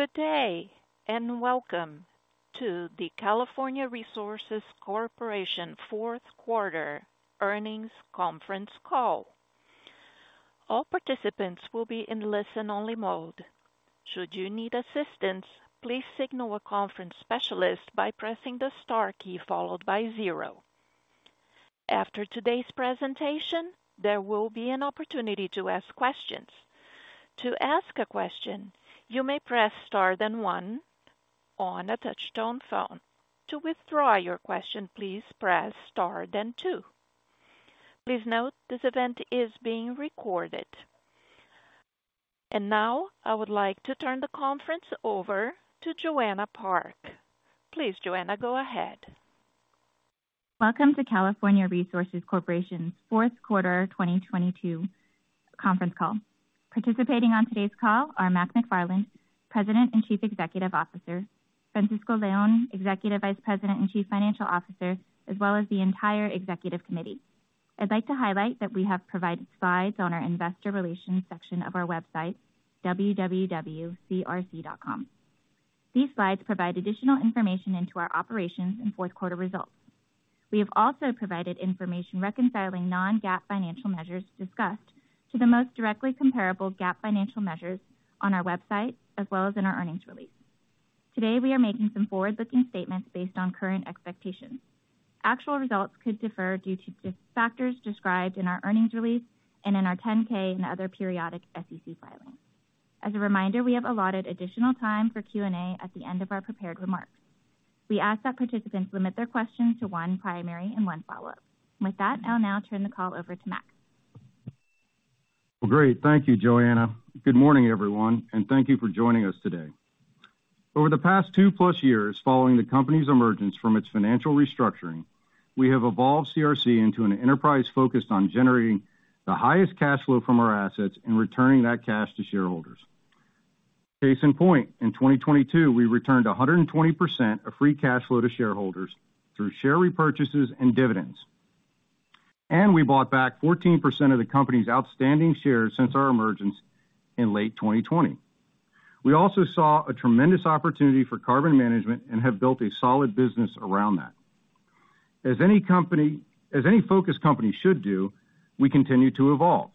Good day, and welcome to the California Resources Corporation Fourth Quarter Earnings Conference Call. All participants will be in listen-only mode. Should you need assistance, please signal a conference specialist by pressing the star key followed by zero. After today's presentation, there will be an opportunity to ask questions. To ask a question, you may press star then one on a touch-tone phone. To withdraw your question, please press star then two. Please note this event is being recorded. Now, I would like to turn the conference over to Joanna Park. Please, Joanna, go ahead. Welcome to California Resources Corporation's fourth quarter 2022 conference call. Participating on today's call are Mark McFarland, President and Chief Executive Officer, Francisco Leon, Executive Vice President and Chief Financial Officer, as well as the entire executive committee. I'd like to highlight that we have provided slides on our investor relations section of our website, www.crc.com. These slides provide additional information into our operations and fourth quarter results. We have also provided information reconciling non-GAAP financial measures discussed to the most directly comparable GAAP financial measures on our website as well as in our earnings release. Today, we are making some forward-looking statements based on current expectations. Actual results could differ due to factors described in our earnings release and in our 10-K and other periodic SEC filings. As a reminder, we have allotted additional time for Q&A at the end of our prepared remarks. We ask that participants limit their questions to one primary and one follow-up. With that, I'll now turn the call over to Mac. Well, great. Thank you, Joanna. Good morning, everyone. Thank you for joining us today. Over the past two-plus years, following the company's emergence from its financial restructuring, we have evolved CRC into an enterprise focused on generating the highest cash flow from our assets and returning that cash to shareholders. Case in point, in 2022, we returned 120% of free cash flow to shareholders through share repurchases and dividends. We bought back 14% of the company's outstanding shares since our emergence in late 2020. We also saw a tremendous opportunity for carbon management and have built a solid business around that. As any focused company should do, we continue to evolve.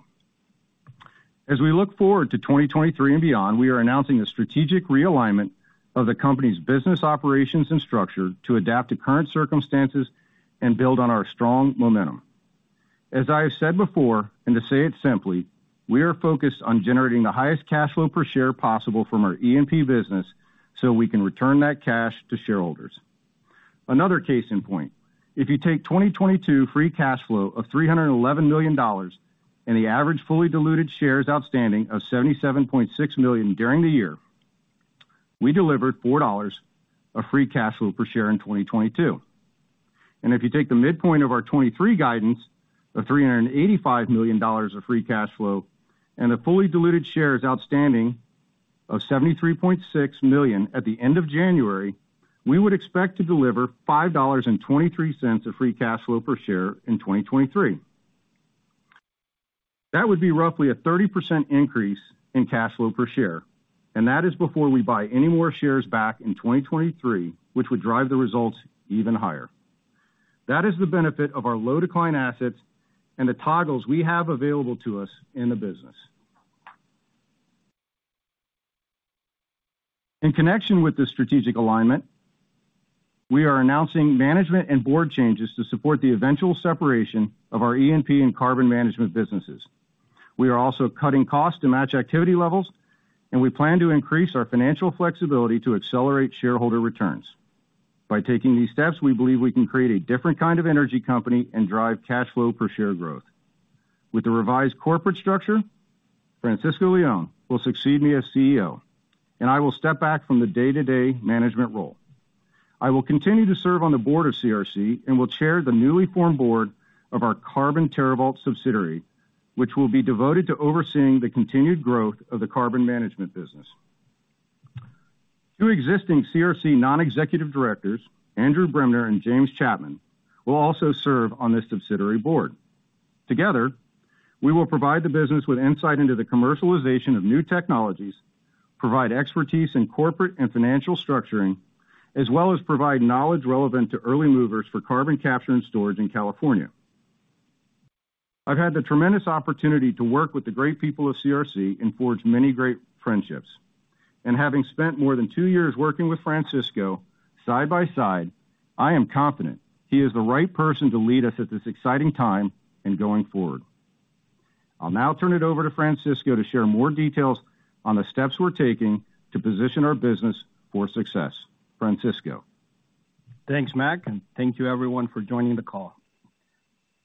As we look forward to 2023 and beyond, we are announcing a strategic realignment of the company's business operations and structure to adapt to current circumstances and build on our strong momentum. As I have said before, and to say it simply, we are focused on generating the highest cash flow per share possible from our E&P business so we can return that cash to shareholders. Another case in point, if you take 2022 free cash flow of $311 million and the average fully diluted shares outstanding of 77.6 million during the year, we delivered $4 of free cash flow per share in 2022. If you take the midpoint of our 2023 guidance of $385 million of free cash flow and the fully diluted shares outstanding of 73.6 million at the end of January, we would expect to deliver $5.23 of free cash flow per share in 2023. That would be roughly a 30% increase in cash flow per share, and that is before we buy any more shares back in 2023, which would drive the results even higher. That is the benefit of our low decline assets and the toggles we have available to us in the business. In connection with this strategic alignment, we are announcing management and board changes to support the eventual separation of our E&P and carbon management businesses. We are also cutting costs to match activity levels, and we plan to increase our financial flexibility to accelerate shareholder returns. By taking these steps, we believe we can create a different kind of energy company and drive cash flow per share growth. With the revised corporate structure, Francisco Leon will succeed me as CEO, and I will step back from the day-to-day management role. I will continue to serve on the board of CRC and will chair the newly formed board of our Carbon TerraVault subsidiary, which will be devoted to overseeing the continued growth of the carbon management business. Two existing CRC non-executive directors, Andrew Bremner and James Chapman, will also serve on this subsidiary board. Together, we will provide the business with insight into the commercialization of new technologies, provide expertise in corporate and financial structuring, as well as provide knowledge relevant to early movers for carbon capture and storage in California. I've had the tremendous opportunity to work with the great people of CRC and forge many great friendships. Having spent more than 2 years working with Francisco side by side, I am confident he is the right person to lead us at this exciting time in going forward. I'll now turn it over to Francisco to share more details on the steps we're taking to position our business for success. Francisco. Thanks, Mac, and thank you everyone for joining the call.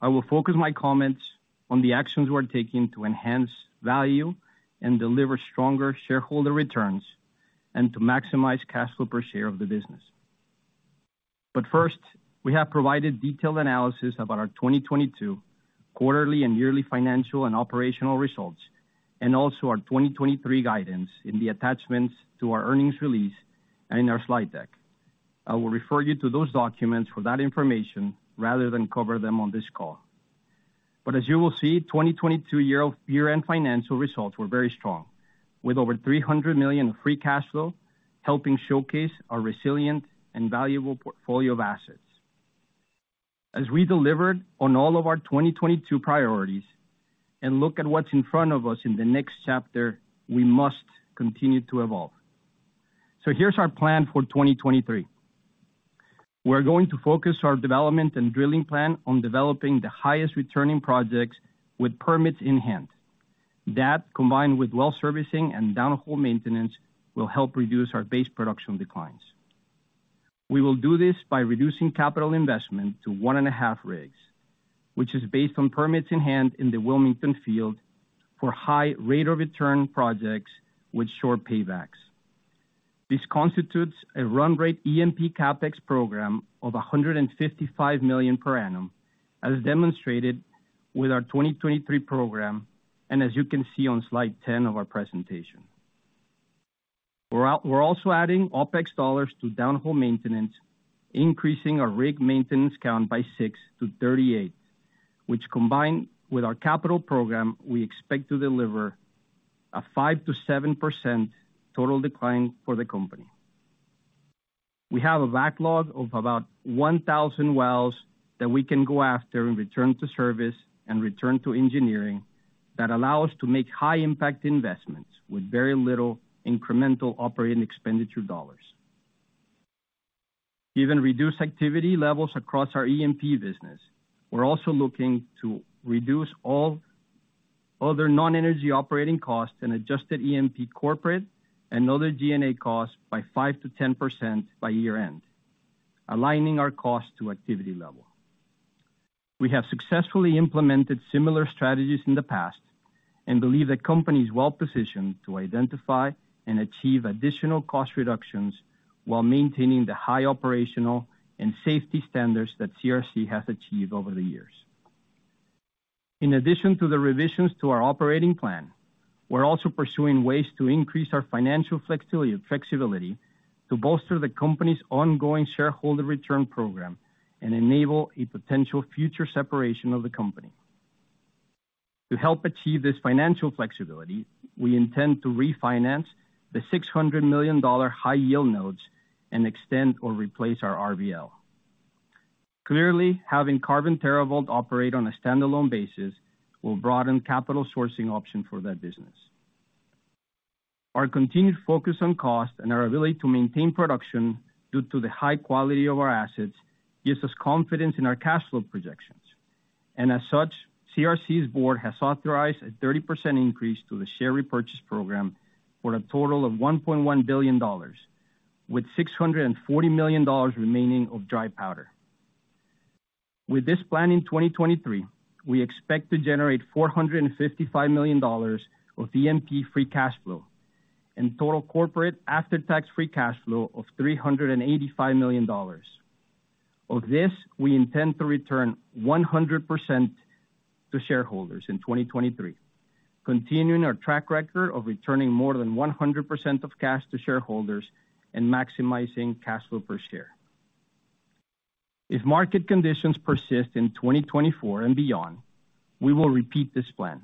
I will focus my comments on the actions we're taking to enhance value and deliver stronger shareholder returns and to maximize cash flow per share of the business. First, we have provided detailed analysis about our 2022 quarterly and yearly financial and operational results, and also our 2023 guidance in the attachments to our earnings release and in our slide deck. I will refer you to those documents for that information rather than cover them on this call. As you will see, 2022 year-end financial results were very strong, with over $300 million of free cash flow helping showcase our resilient and valuable portfolio of assets. As we delivered on all of our 2022 priorities and look at what's in front of us in the next chapter, we must continue to evolve. Here's our plan for 2023. We're going to focus our development and drilling plan on developing the highest returning projects with permits in hand. That, combined with well servicing and downhole maintenance, will help reduce our base production declines. We will do this by reducing capital investment to 1.5 rigs, which is based on permits in hand in the Wilmington field for high rate of return projects with short paybacks. This constitutes a run rate E&P CapEx program of $155 million per annum, as demonstrated with our 2023 program, as you can see on slide 10 of our presentation. We're also adding OpEx dollars to downhole maintenance, increasing our rig maintenance count by 6-38, which combined with our capital program, we expect to deliver a 5%-7% total decline for the company. We have a backlog of about 1,000 wells that we can go after and return to service and return to engineering that allow us to make high-impact investments with very little incremental operating expenditure dollars. Given reduced activity levels across our E&P business, we're also looking to reduce all other non-energy operating costs and Adjusted E&P corporate and other G&A costs by 5%-10% by year-end, aligning our costs to activity level. We have successfully implemented similar strategies in the past and believe the company is well positioned to identify and achieve additional cost reductions while maintaining the high operational and safety standards that CRC has achieved over the years. In addition to the revisions to our operating plan, we're also pursuing ways to increase our financial flexibility to bolster the company's ongoing shareholder return program and enable a potential future separation of the company. To help achieve this financial flexibility, we intend to refinance the $600 million high-yield notes and extend or replace our RBL. Clearly, having Carbon TerraVault operate on a standalone basis will broaden capital sourcing options for that business. Our continued focus on cost and our ability to maintain production due to the high quality of our assets gives us confidence in our cash flow projections. As such, CRC's board has authorized a 30% increase to the share repurchase program for a total of $1.1 billion, with $640 million remaining of dry powder. With this plan in 2023, we expect to generate $455 million of E&P free cash flow and total corporate after-tax free cash flow of $385 million. Of this, we intend to return 100% to shareholders in 2023, continuing our track record of returning more than 100% of cash to shareholders and maximizing cash flow per share. If market conditions persist in 2024 and beyond, we will repeat this plan.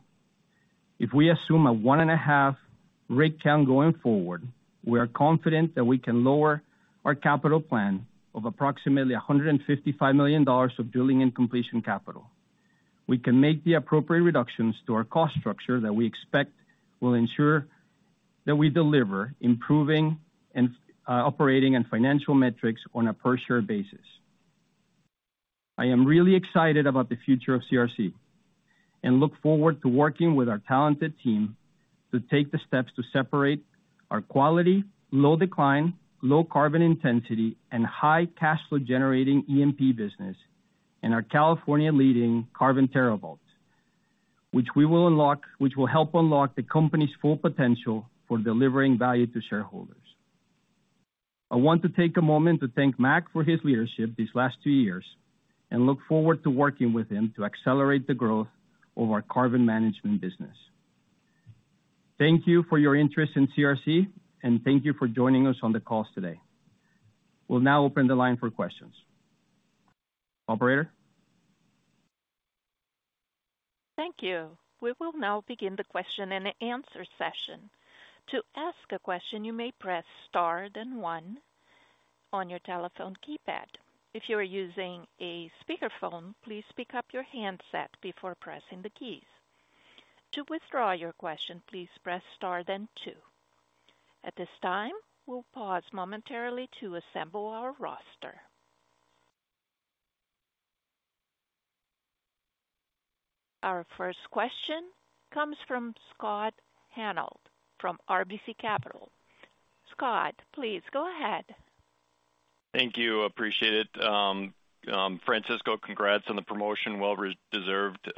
If we assume a one and a half rig count going forward, we are confident that we can lower our capital plan of approximately $155 million of drilling and completion capital. We can make the appropriate reductions to our cost structure that we expect will ensure that we deliver improving operating and financial metrics on a per-share basis. I am really excited about the future of CRC and look forward to working with our talented team to take the steps to separate our quality, low decline, low carbon intensity, and high cash flow-generating E&P business and our California-leading Carbon TerraVault, which will help unlock the company's full potential for delivering value to shareholders. I want to take a moment to thank Mac for his leadership these last two years and look forward to working with him to accelerate the growth of our carbon management business. Thank you for your interest in CRC, and thank you for joining us on the call today. We'll now open the line for questions. Operator? Thank you. We will now begin the question-and-answer session. To ask a question, you may press star then one on your telephone keypad. If you are using a speakerphone, please pick up your handset before pressing the keys. To withdraw your question, please press star then two. At this time, we'll pause momentarily to assemble our roster. Our first question comes from Scott Hanold from RBC Capital. Scott, please go ahead. Thank you, appreciate it. Francisco, congrats on the promotion. Well re-deserved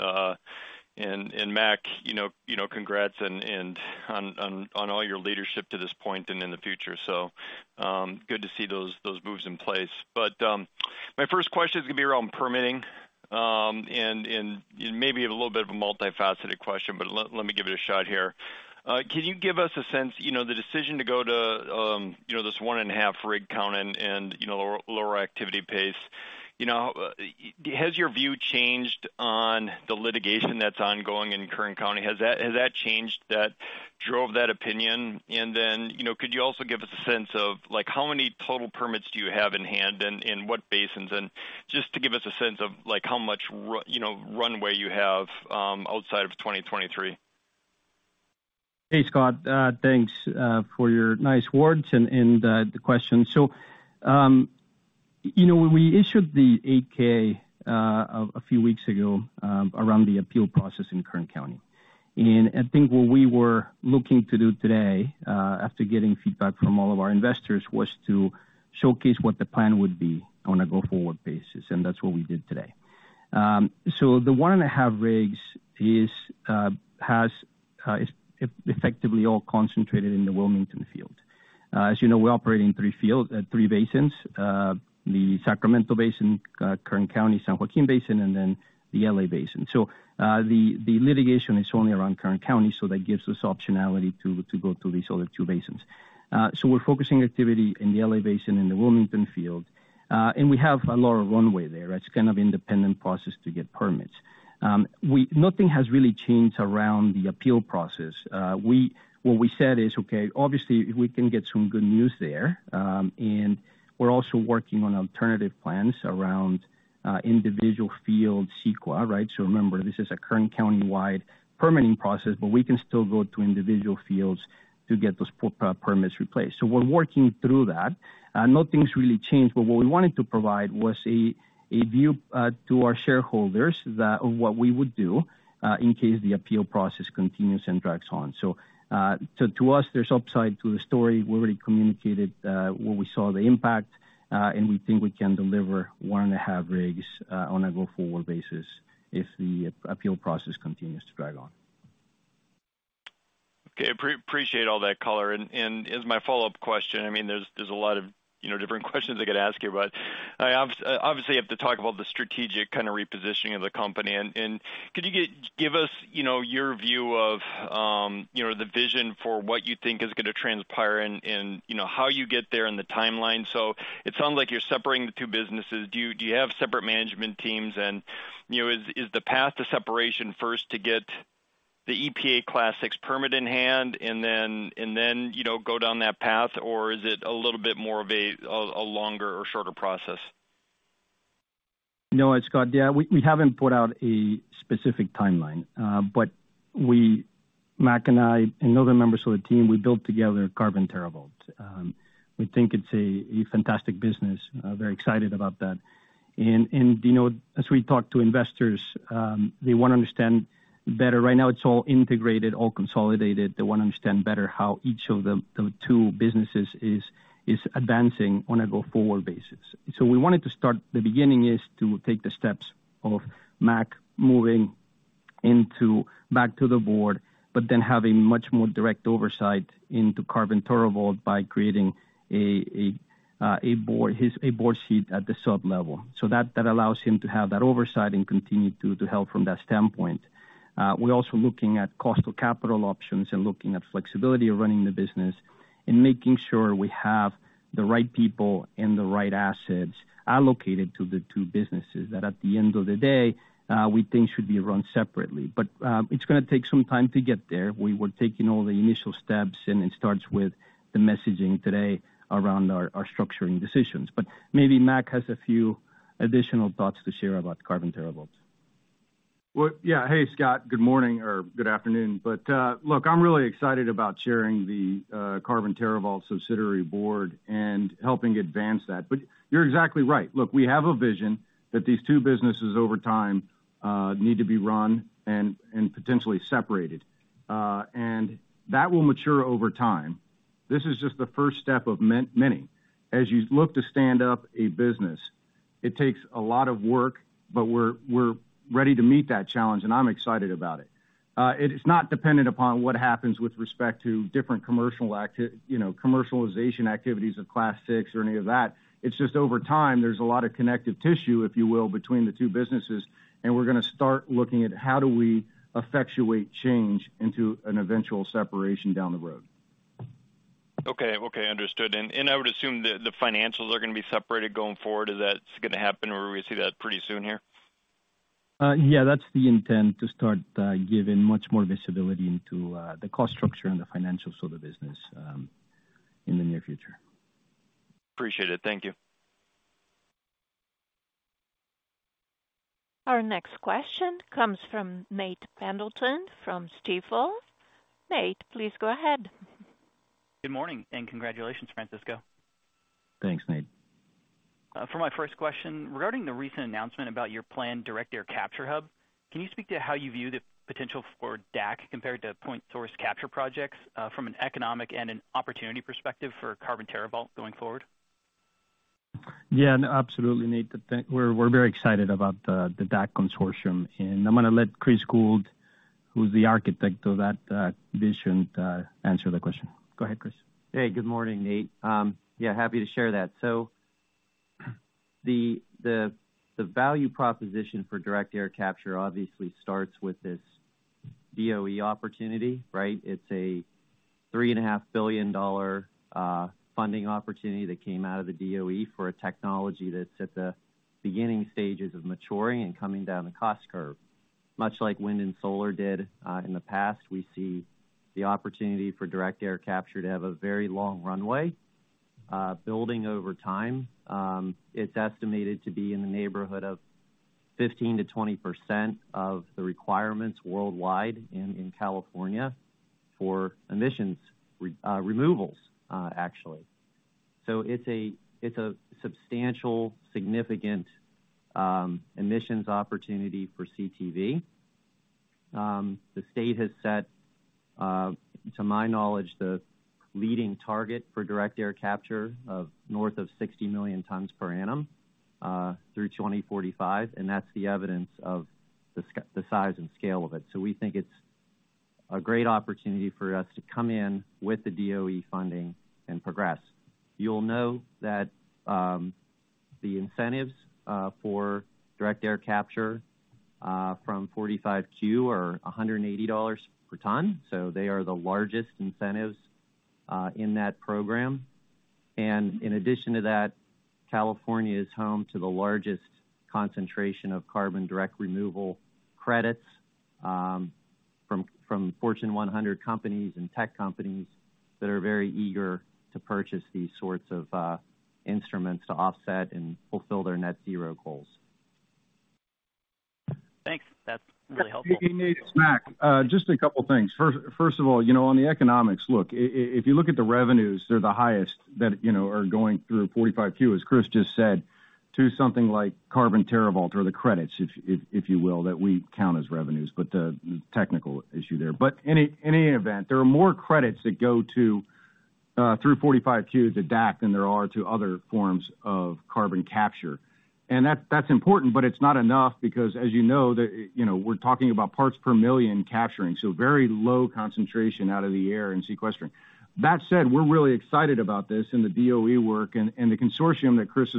and Mac, you know, you know, congrats and on all your leadership to this point and in the future. Good to see those moves in place. My first question is gonna be around permitting, and it may be a little bit of a multifaceted question, but let me give it a shot here. Can you give us a sense, you know, the decision to go to, you know, this 1.5 rig count and, you know, lower activity pace. You know, has your view changed on the litigation that's ongoing in Kern County? Has that changed that drove that opinion? You know, could you also give us a sense of like, how many total permits do you have in hand and in what basins? To give us a sense of like how much you know, runway you have, outside of 2023? Hey, Scott. Thanks for your nice words and the question. You know, when we issued the 8-K a few weeks ago around the appeal process in Kern County, and I think what we were looking to do today after getting feedback from all of our investors was to showcase what the plan would be on a go-forward basis, and that's what we did today. The 1.5 rigs has effectively all concentrated in the Wilmington field. As you know, we operate in three field, three basins, the Sacramento Basin, Kern County, San Joaquin Basin, and then the L.A. Basin. The litigation is only around Kern County, so that gives us optionality to go to these other two basins. We're focusing activity in the L.A. Basin, in the Wilmington field, and we have a lot of runway there. It's kind of independent process to get permits. Nothing has really changed around the appeal process. What we said is, okay, obviously we can get some good news there, and we're also working on alternative plans around individual fields, CEQA, right? Remember, this is a Kern County-wide permitting process, but we can still go to individual fields to get those permits replaced. We're working through that, and nothing's really changed. What we wanted to provide was a view to our shareholders that of what we would do in case the appeal process continues and drags on. To us, there's upside to the story. We already communicated, where we saw the impact, and we think we can deliver 1.5 rigs, on a go-forward basis if the appeal process continues to drag on. Okay. appreciate all that color. as my follow-up question, I mean, there's a lot of, you know, different questions I could ask you, but I obviously have to talk about the strategic kind of repositioning of the company. could you give us, you know, your view of, you know, the vision for what you think is gonna transpire and, you know, how you get there and the timeline? It sounds like you're separating the two businesses. Do you have separate management teams? you know, is the path to separation first to get the EPA Class VI permit in hand and then, you know, go down that path? Or is it a little bit more of a longer or shorter process? No, Scott. Yeah, we haven't put out a specific timeline, but we, Mark McFarland and I and other members of the team, we built together Carbon TerraVault. We think it's a fantastic business. Very excited about that. You know, as we talk to investors, they wanna understand better. Right now, it's all integrated, all consolidated. They wanna understand better how each of the two businesses is advancing on a go-forward basis. We wanted to start the beginning is to take the steps of Mark McFarland moving back to the board, but then having much more direct oversight into Carbon TerraVault by creating a board seat at the sub level. That allows him to have that oversight and continue to help from that standpoint. We're also looking at cost of capital options and looking at flexibility of running the business and making sure we have the right people and the right assets allocated to the two businesses that, at the end of the day, we think should be run separately. It's gonna take some time to get there. We were taking all the initial steps, and it starts with the messaging today around our structuring decisions. Maybe Mac has a few additional thoughts to share about Carbon TerraVault. Well, yeah. Hey, Scott. Good morning or good afternoon. Look, I'm really excited about chairing the Carbon TerraVault subsidiary board and helping advance that. You're exactly right. Look, we have a vision that these two businesses over time need to be run and potentially separated. That will mature over time. This is just the first step of many. As you look to stand up a business, it takes a lot of work, but we're ready to meet that challenge, and I'm excited about it. It is not dependent upon what happens with respect to different commercial you know, commercialization activities of Class VI or any of that. It's just over time, there's a lot of connective tissue, if you will, between the two businesses. We're gonna start looking at how do we effectuate change into an eventual separation down the road. Okay. Okay, understood. I would assume the financials are going to be separated going forward. Is that going to happen or we see that pretty soon here? Yeah, that's the intent to start giving much more visibility into the cost structure and the financials of the business in the near future. Appreciate it. Thank you. Our next question comes from Nate Pendleton from Stifel. Nate, please go ahead. Good morning and congratulations, Francisco. Thanks, Nate. For my first question, regarding the recent announcement about your planned direct air capture hub, can you speak to how you view the potential for DAC compared to point source capture projects, from an economic and an opportunity perspective for Carbon TerraVault going forward? Yeah, absolutely, Nate. We're very excited about the DAC consortium, and I'm gonna let Chris Gould, who's the architect of that vision, answer the question. Go ahead, Chris. Hey, good morning, Nate. Yeah, happy to share that. The value proposition for direct air capture obviously starts with this DOE opportunity, right? It's a $3.5 billion funding opportunity that came out of the DOE for a technology that's at the beginning stages of maturing and coming down the cost curve. Much like wind and solar did in the past, we see the opportunity for direct air capture to have a very long runway building over time. It's estimated to be in the neighborhood of 15%-20% of the requirements worldwide and in California for emissions removals, actually. It's a substantial, significant emissions opportunity for CTV. The state has set, to my knowledge, the leading target for direct air capture of north of 60 million tons per annum through 2045, and that's the evidence of the size and scale of it. We think it's a great opportunity for us to come in with the DOE funding and progress. You'll know that the incentives for direct air capture from 45Q are $180 per ton, so they are the largest incentives in that program. In addition to that, California is home to the largest concentration of carbon direct removal credits from Fortune 100 companies and tech companies that are very eager to purchase these sorts of instruments to offset and fulfill their net zero goals. Thanks. That's really helpful. Hey, Nate. It's Mac. Just a couple of things. First of all, you know, on the economics, look, if you look at the revenues, they're the highest that, you know, are going through 45Q, as Chris just said, to something like Carbon TerraVault or the credits, if you will, that we count as revenues, but a technical issue there. Any event, there are more credits that go to through 45Q to DAC than there are to other forms of carbon capture. That's important, but it's not enough because as you know, the you know, we're talking about parts per million capturing, so very low concentration out of the air and sequestering. That said, we're really excited about this and the DOE work and the consortium that Chris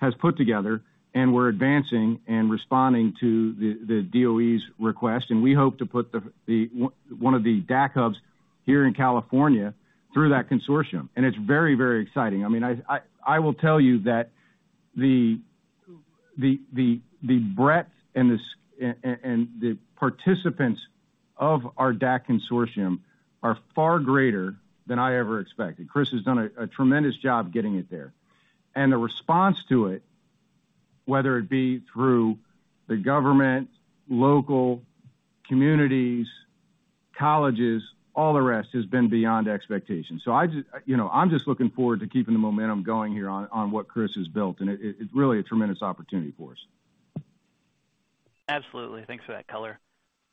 has put together, and we're advancing and responding to the DOE's request. We hope to put one of the DAC hubs here in California through that consortium. It's very, very exciting. I mean, I will tell you that the breadth and the participants of our DAC consortium are far greater than I ever expected. Chris has done a tremendous job getting it there. The response to it, whether it be through the government, local communities, colleges, all the rest, has been beyond expectation. You know, I'm just looking forward to keeping the momentum going here on what Chris has built, and it's really a tremendous opportunity for us. Absolutely. Thanks for that color.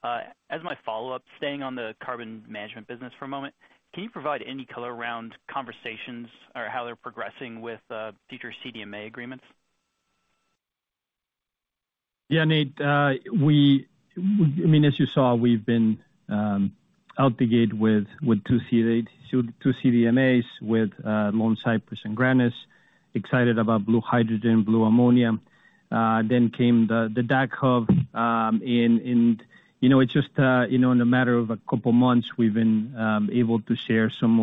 As my follow-up, staying on the carbon management business for a moment, can you provide any color around conversations or how they're progressing with future CDMA agreements? Yeah, Nate, I mean, as you saw, we've been out the gate with two CDMAs with Lone Cypress and Grannus, excited about blue hydrogen, blue ammonia. Then came the DAC hub, and, you know, it's just, you know, in a matter of a couple of months, we've been able to share some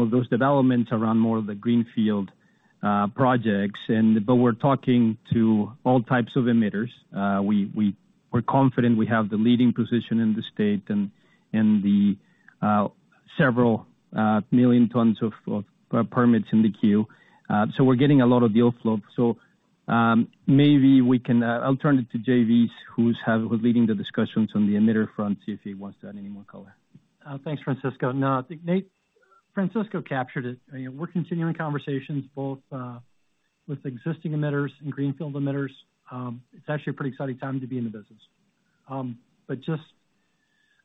of those developments around more of the greenfield projects. We're talking to all types of emitters. We're confident we have the leading position in the state and the several million tons of permits in the queue. We're getting a lot of deal flow. Maybe we can, I'll turn it to Jay Bys who's leading the discussions on the emitter front, see if he wants to add any more color. Thanks, Francisco. No, I think Nate, Francisco captured it. You know, we're continuing conversations both with existing emitters and greenfield emitters. It's actually a pretty exciting time to be in the business.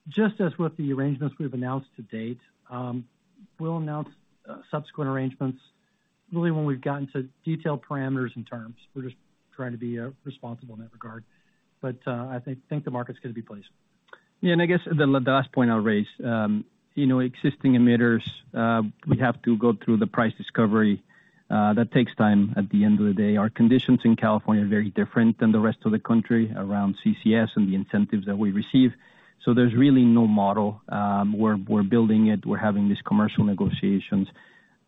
Just as with the arrangements we've announced to date, we'll announce subsequent arrangements really when we've gotten to detailed parameters and terms. We're just trying to be responsible in that regard. I think the market's gonna be pleased. Yeah. I guess the last point I'll raise, you know, existing emitters, we have to go through the price discovery. That takes time at the end of the day. Our conditions in California are very different than the rest of the country around CCS and the incentives that we receive. There's really no model. We're building it. We're having these commercial negotiations,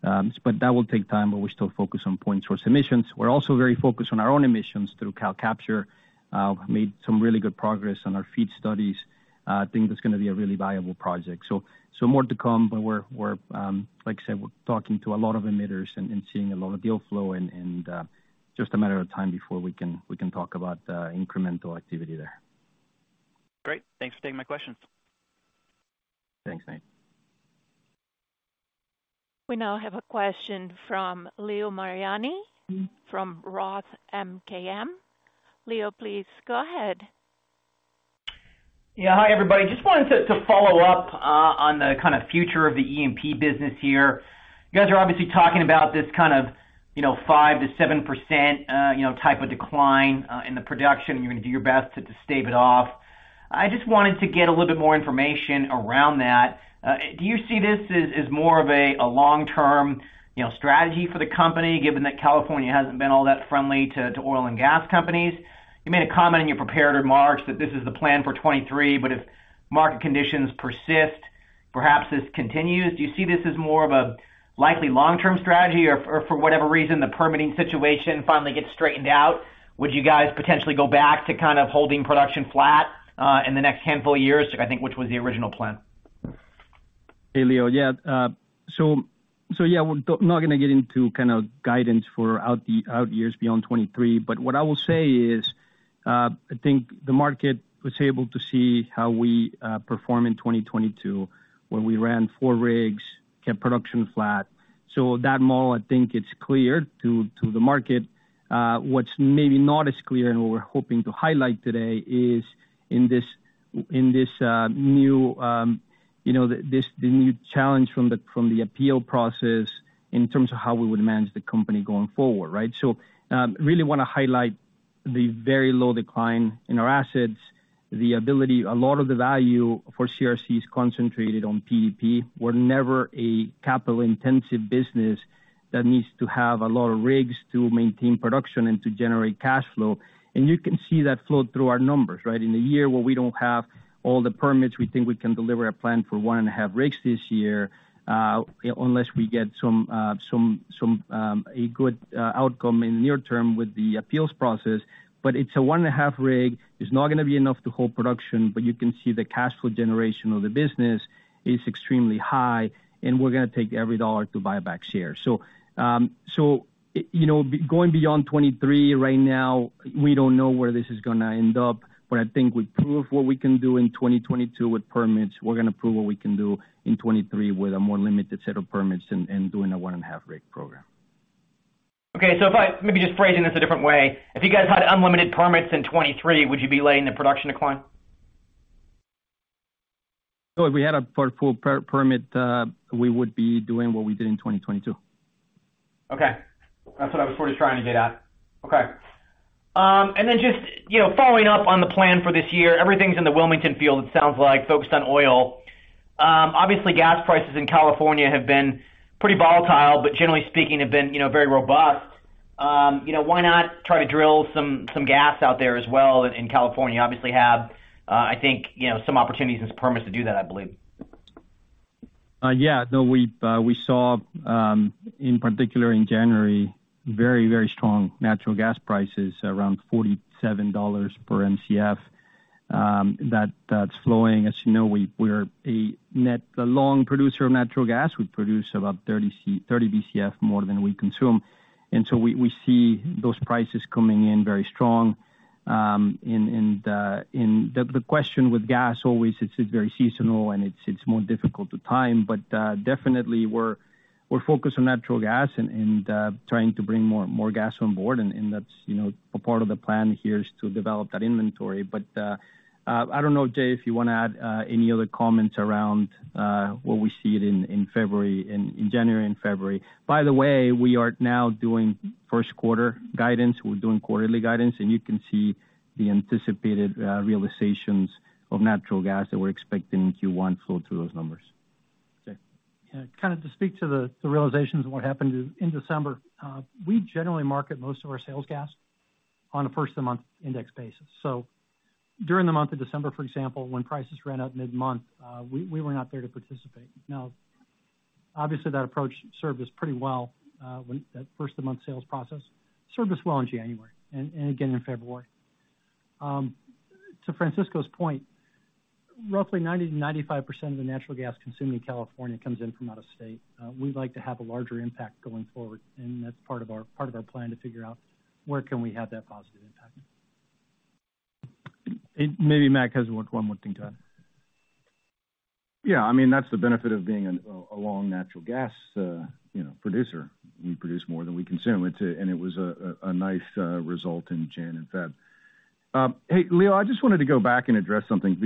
but that will take time, but we're still focused on point source emissions. We're also very focused on our own emissions through CalCapture. Made some really good progress on our FEED studies. I think that's gonna be a really viable project. More to come, but we're, like I said, we're talking to a lot of emitters and seeing a lot of deal flow and just a matter of time before we can talk about incremental activity there. Great. Thanks for taking my questions. Thanks, Nate. We now have a question from Leo Mariani from Roth MKM. Leo, please go ahead. Yeah. Hi, everybody. Just wanted to follow up on the kind of future of the E&P business here. You guys are obviously talking about this kind of, you know, 5%-7%, you know, type of decline in the production. You're gonna do your best to stave it off. I just wanted to get a little bit more information around that. Do you see this as more of a long-term, you know, strategy for the company, given that California hasn't been all that friendly to oil and gas companies? You made a comment in your prepared remarks that this is the plan for 2023, but if market conditions persist, perhaps this continues. Do you see this as more of a likely long-term strategy or for whatever reason, the permitting situation finally gets straightened out? Would you guys potentially go back to kind of holding production flat, in the next handful of years, I think which was the original plan? Leo. Yeah. So yeah, we're not gonna get into kind of guidance for out years beyond 2023. What I will say is, I think the market was able to see how we perform in 2022, when we ran four rigs, kept production flat. That model, I think it's clear to the market. What's maybe not as clear and what we're hoping to highlight today is in this new, you know, the new challenge from the appeal process in terms of how we would manage the company going forward, right? Really wanna highlight the very low decline in our assets, the ability. A lot of the value for CRC is concentrated on PDP. We're never a capital-intensive business that needs to have a lot of rigs to maintain production and to generate cash flow. You can see that flow through our numbers, right? In a year where we don't have all the permits, we think we can deliver a plan for one and a half rigs this year, unless we get some a good outcome in the near term with the appeals process. It's a one and a half rig. It's not gonna be enough to hold production. You can see the cash flow generation of the business is extremely high. We're gonna take every dollar to buy back shares. You know, going beyond 2023 right now, we don't know where this is gonna end up. I think we proved what we can do in 2022 with permits. We're gonna prove what we can do in 2023 with a more limited set of permits and doing a 1.5 rig program. Maybe just phrasing this a different way. If you guys had unlimited permits in 2023, would you be laying the production decline? If we had a permit, we would be doing what we did in 2022. Okay. That's what I was sort of trying to get at. Okay. Just, you know, following up on the plan for this year, everything's in the Wilmington Field, it sounds like, focused on oil. Obviously, gas prices in California have been pretty volatile, but generally speaking, have been, you know, very robust. You know, why not try to drill some gas out there as well in California? You obviously have, I think, you know, some opportunities and some permits to do that, I believe. Yeah. No, we saw in particular in January, very, very strong natural gas prices, around $47 per Mcf, that's flowing. As you know, we're a net long producer of natural gas. We produce about 30 Bcf more than we consume. We see those prices coming in very strong. The question with gas always, it's very seasonal, and it's more difficult to time. Definitely we're focused on natural gas and trying to bring more gas on board, and that's, you know, a part of the plan here is to develop that inventory. I don't know, Jay, if you wanna add any other comments around what we see it in February and January and February. By the way, we are now doing first quarter guidance. We're doing quarterly guidance. You can see the anticipated realizations of natural gas that we're expecting in Q1 flow through those numbers. Yeah. Kinda to speak to the realizations of what happened in December, we generally market most of our sales gas on a first-of-the-month index basis. During the month of December, for example, when prices ran out mid-month, we were not there to participate. Obviously, that approach served us pretty well when that first-of-the-month sales process served us well in January and again in February. To Francisco's point, roughly 90%-95% of the natural gas consumed in California comes in from out of state. We'd like to have a larger impact going forward, and that's part of our plan to figure out where can we have that positive impact. Maybe Mac has one more thing to add. Yeah, I mean, that's the benefit of being a long natural gas, you know, producer. We produce more than we consume. It was a nice result in January and February. Hey, Leo, I just wanted to go back and address something.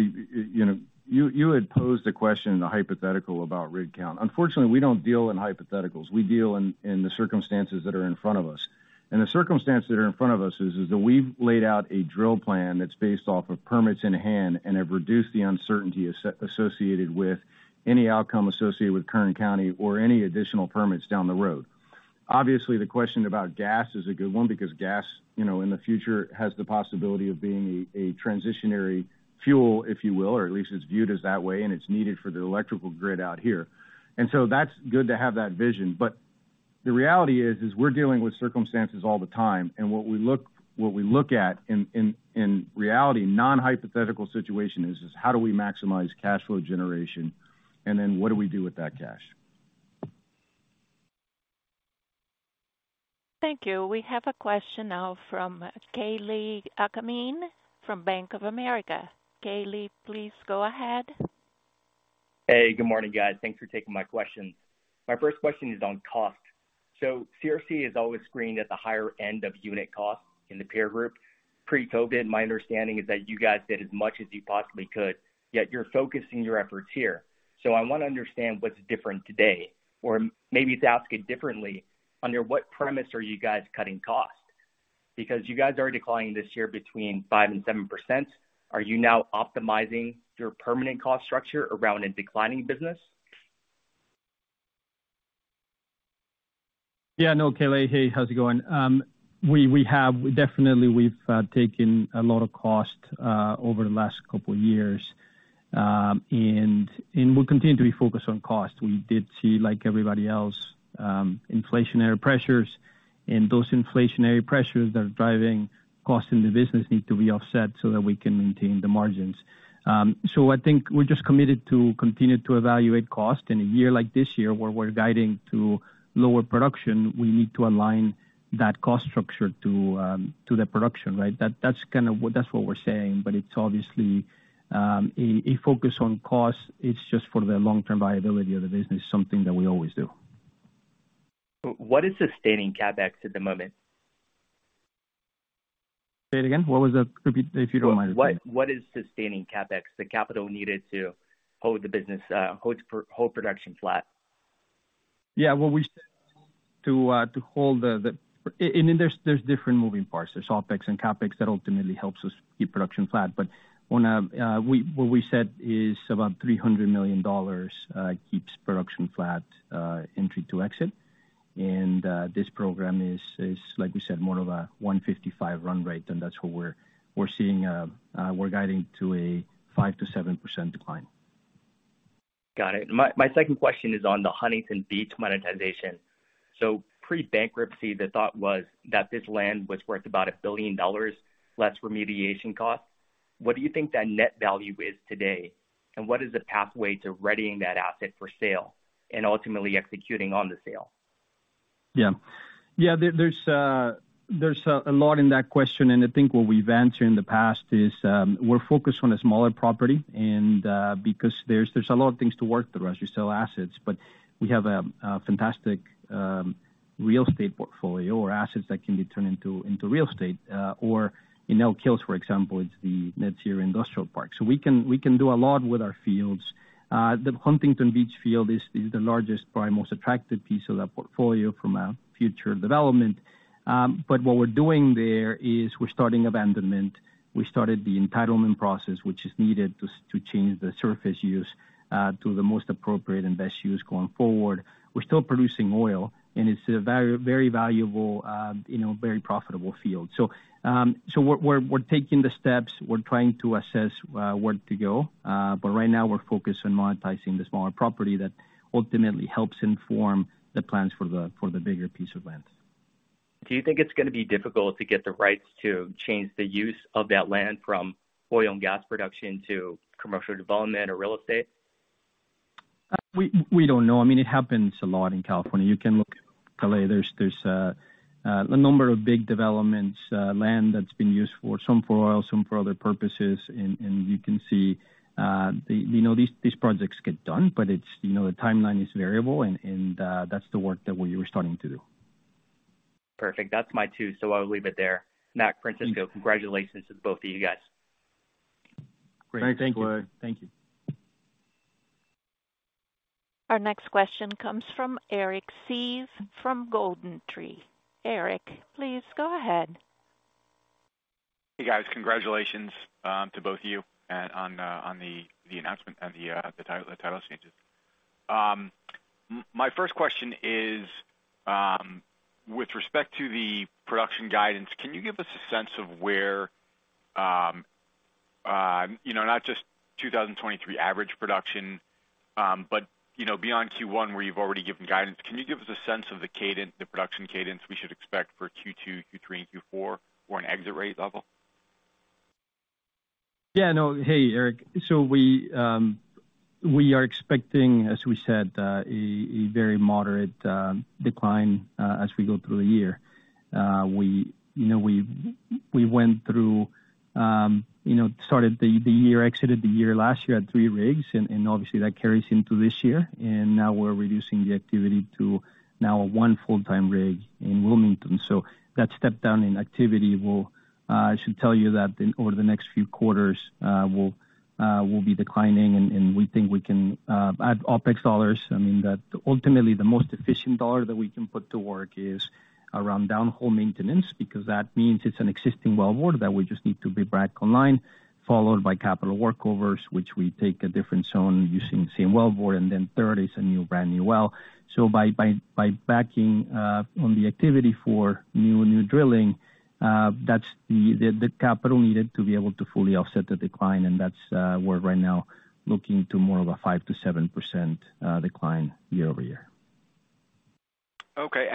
You know, you had posed a question in the hypothetical about rig count. Unfortunately, we don't deal in hypotheticals. We deal in the circumstances that are in front of us. The circumstances that are in front of us is that we've laid out a drill plan that's based off of permits in hand and have reduced the uncertainty associated with any outcome associated with Kern County or any additional permits down the road. Obviously, the question about gas is a good one because gas, you know, in the future has the possibility of being a transitionary fuel, if you will, or at least it's viewed as that way, and it's needed for the electrical grid out here. That's good to have that vision. The reality is, we're dealing with circumstances all the time, and what we look at in reality, non-hypothetical situation is how do we maximize cash flow generation and what do we do with that cash. Thank you. We have a question now from Kalei Akamine from Bank of America. Kalei, please go ahead. Hey, good morning, guys. Thanks for taking my questions. My first question is on cost. CRC is always screened at the higher end of unit cost in the peer group. Pre-COVID, my understanding is that you guys did as much as you possibly could, yet you're focusing your efforts here. I wanna understand what's different today, or maybe to ask it differently, under what premise are you guys cutting costs? You guys are declining this year between 5% and 7%. Are you now optimizing your permanent cost structure around a declining business? Yeah, no, Kalei. Hey, how's it going? We, definitely we've taken a lot of cost over the last couple years, and we'll continue to be focused on cost. We did see, like everybody else, inflationary pressures, and those inflationary pressures that are driving costs in the business need to be offset so that we can maintain the margins. I think we're just committed to continue to evaluate cost. In a year like this year, where we're guiding to lower production, we need to align that cost structure to the production, right? That's what we're saying. It's obviously a focus on cost. It's just for the long-term viability of the business, something that we always do. What is sustaining CapEx at the moment? Say it again. What was that? Repeat, if you don't mind. What is sustaining CapEx, the capital needed to hold the business, hold production flat? Yeah, well, we said to hold the different moving parts. There's OpEx and CapEx that ultimately helps us keep production flat. When what we said is about $300 million keeps production flat, entry to exit. This program is, like we said, more of a 155 run rate, and that's what we're seeing. We're guiding to a 5%-7% decline. Got it. My second question is on the Huntington Beach monetization. Pre-bankruptcy, the thought was that this land was worth about $1 billion, less remediation costs. What do you think that net value is today? What is the pathway to readying that asset for sale and ultimately executing on the sale? Yeah. There's a lot in that question, and I think what we've answered in the past is, we're focused on the smaller property and because there's a lot of things to work through as you sell assets. We have a fantastic real estate portfolio or assets that can be turned into real estate, or in Elk Hills, for example, it's the Net Zero Industrial Park. We can do a lot with our fields. The Huntington Beach field is the largest, probably most attractive piece of that portfolio from a future development. What we're doing there is we're starting abandonment. We started the entitlement process, which is needed to change the surface use to the most appropriate and best use going forward. We're still producing oil. It's a very, very valuable, you know, very profitable field. We're taking the steps. We're trying to assess where to go. Right now we're focused on monetizing the smaller property that ultimately helps inform the plans for the bigger piece of land. Do you think it's gonna be difficult to get the rights to change the use of that land from oil and gas production to commercial development or real estate? We don't know. I mean, it happens a lot in California. You can look, Kalei. There's a number of big developments, land that's been used for some for oil, some for other purposes. You can see, the... You know, these projects get done, but it's, you know, the timeline is variable and that's the work that we were starting to do. Perfect. That's my two, so I will leave it there. Mac, Francisco, congratulations to both of you guys. Great. Thank you. Thanks, Kalei. Thank you. Our next question comes from Eric Seeve from GoldenTree. Eric, please go ahead. Hey, guys. Congratulations, to both of you, on the announcement and the title changes. My first question is, with respect to the production guidance, can you give us a sense of where, you know, not just 2023 average production, but, you know, beyond Q1 where you've already given guidance, can you give us a sense of the production cadence we should expect for Q2, Q3, and Q4 or an exit rate level? Yeah, no. Hey, Eric. We are expecting, as we said, a very moderate decline as we go through the year. We, you know, we went through, you know, started the year, exited the year last year at three rigs and obviously that carries into this year. Now we're reducing the activity to now one full-time rig in Wilmington. That step down in activity will, I should tell you that over the next few quarters, will be declining and we think we can add OpEx dollars. I mean, that ultimately the most efficient dollar that we can put to work is around downhole maintenance because that means it's an existing well board that we just need to bring back online, followed by capital workovers, which we take a different zone using the same well board, and then third is a new brand new well. By backing on the activity for new drilling, that's the capital needed to be able to fully offset the decline, and that's, we're right now looking to more of a 5%-7% decline year-over-year. Okay.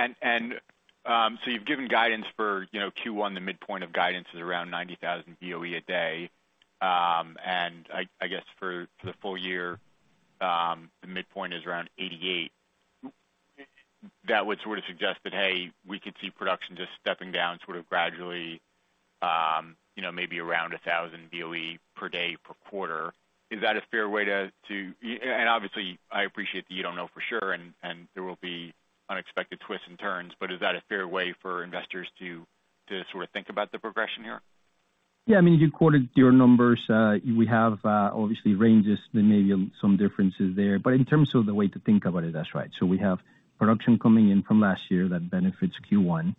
You've given guidance for, you know, Q1, the midpoint of guidance is around 90,000 BOE a day. I guess for the full year, the midpoint is around 88. That would sort of suggest that, hey, we could see production just stepping down sort of gradually, you know, maybe around 1,000 BOE per day per quarter. Obviously I appreciate that you don't know for sure and there will be unexpected twists and turns, but is that a fair way for investors to sort of think about the progression here? Yeah. I mean, you quoted your numbers. We have obviously ranges. There may be some differences there, but in terms of the way to think about it, that's right. We have production coming in from last year that benefits Q1.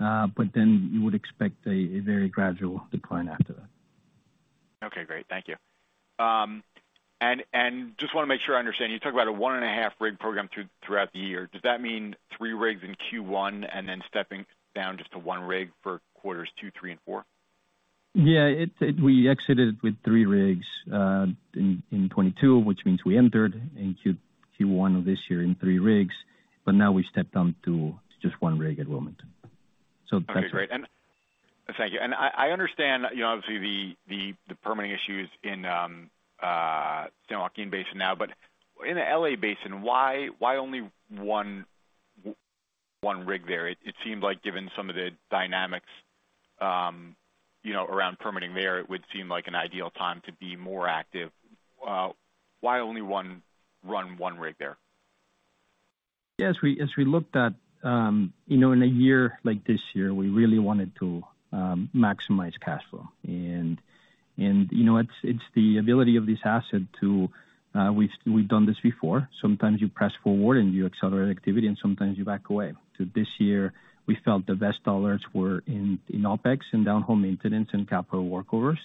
You would expect a very gradual decline after that. Okay, great. Thank you. Just wanna make sure I understand. You talk about a 1.5 rig program throughout the year. Does that mean 3 rigs in Q1 and then stepping down just to 1 rig for quarters two, three and four? We exited with three rigs in 2022, which means we entered in Q1 of this year in three rigs. Now we stepped down to just one rig at Wilmington. That's it. Okay, great. Thank you. I understand, you know, obviously the permitting issues in San Joaquin Basin now, but in the L.A. Basin, why only one rig there? It seems like given some of the dynamics, you know, around permitting there, it would seem like an ideal time to be more active. Why only run 1 rig there? Yes. As we looked at, you know, in a year like this year, we really wanted to maximize cash flow. You know, it's the ability of this asset to, we've done this before. Sometimes you press forward and you accelerate activity, and sometimes you back away. This year we felt the best dollars were in OpEx and downhole maintenance and capital workovers,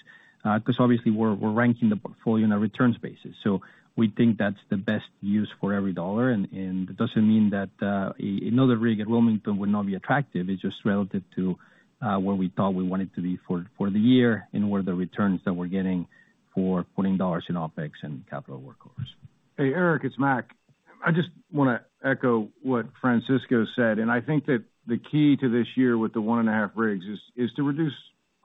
because obviously we're ranking the portfolio on a returns basis. We think that's the best use for every dollar. It doesn't mean that another rig at Wilmington would not be attractive. It's just relative to where we thought we wanted to be for the year and what are the returns that we're getting for putting dollars in OpEx and capital workovers. Hey, Eric, it's Mac. I just wanna echo what Francisco said, I think that the key to this year with the 1.5 rigs is to reduce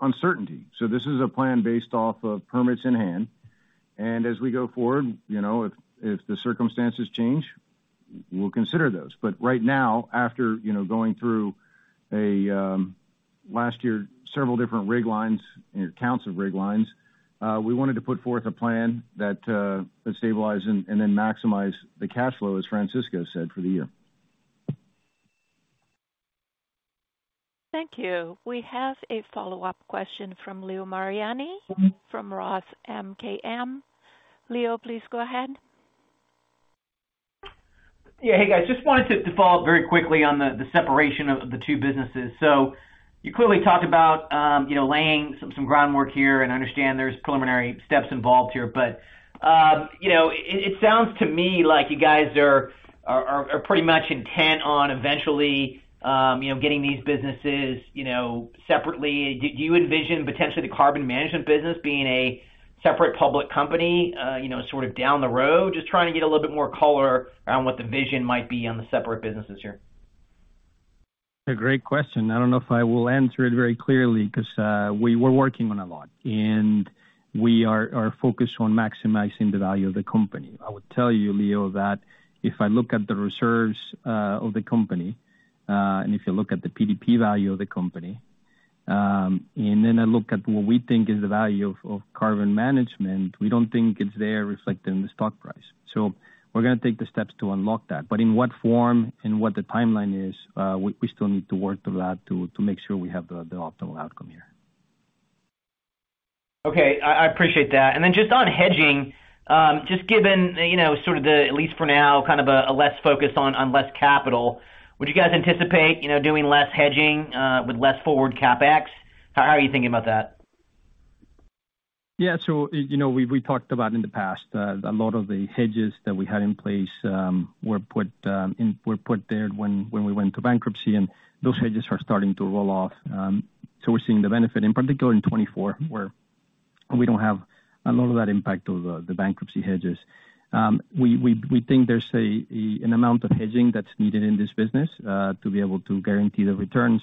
uncertainty. This is a plan based off of permits in hand. As we go forward, you know, if the circumstances change, we'll consider those. Right now, after, you know, going through last year, several different rig lines and counts of rig lines, we wanted to put forth a plan that stabilize and then maximize the cash flow, as Francisco said, for the year. Thank you. We have a follow-up question from Leo Mariani from Roth MKM. Leo, please go ahead. Yeah. Hey, guys. Just wanted to follow up very quickly on the separation of the two businesses. You clearly talked about, you know, laying some groundwork here, and I understand there's preliminary steps involved here, but, you know, it sounds to me like you guys are pretty much intent on eventually, you know, getting these businesses, you know, separately. Do you envision potentially the carbon management business being a separate public company, you know, sort of down the road? Just trying to get a little bit more color around what the vision might be on the separate businesses here. A great question. I don't know if I will answer it very clearly because we were working on a lot, and we are focused on maximizing the value of the company. I would tell you, Leo, that if I look at the reserves of the company, and if you look at the PDP value of the company, and then I look at what we think is the value of carbon management, we don't think it's there reflected in the stock price. We're gonna take the steps to unlock that. In what form and what the timeline is, we still need to work through that to make sure we have the optimal outcome here. Okay. I appreciate that. Then just on hedging, just given, you know, sort of the, at least for now, kind of a less focus on less capital, would you guys anticipate, you know, doing less hedging, with less forward CapEx? How are you thinking about that? You know, we talked about in the past, a lot of the hedges that we had in place, were put there when we went to bankruptcy, and those hedges are starting to roll off. We're seeing the benefit in particular in 2024, where we don't have a lot of that impact of the bankruptcy hedges. We think there's an amount of hedging that's needed in this business to be able to guarantee the returns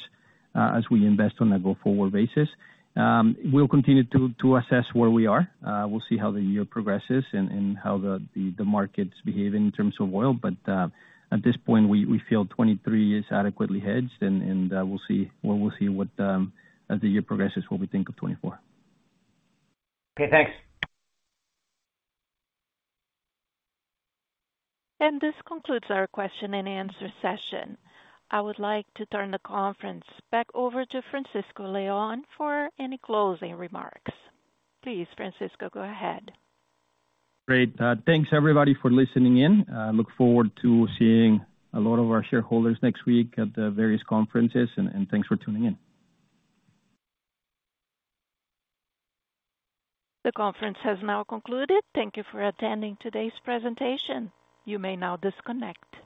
as we invest on a go-forward basis. We'll continue to assess where we are. We'll see how the year progresses and how the markets behave in terms of oil. At this point we feel 2023 is adequately hedged and, we'll see what, as the year progresses, what we think of 2024. Okay, thanks. This concludes our question and answer session. I would like to turn the conference back over to Francisco Leon for any closing remarks. Please, Francisco, go ahead. Great. Thanks everybody for listening in. I look forward to seeing a lot of our shareholders next week at the various conferences and thanks for tuning in. The conference has now concluded. Thank you for attending today's presentation. You may now disconnect.